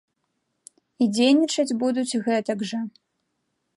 І дзейнічаць будуць гэтак жа.